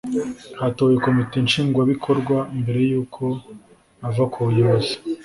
hatowe komite nshingwabikorwa mbere yuko avakubuyobozi.